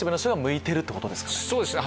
そうですね